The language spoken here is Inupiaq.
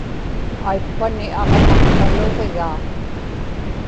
aippani aġnam taluġigaa